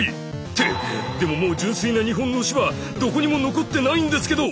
ってでももう純粋な日本の牛はどこにも残ってないんですけど！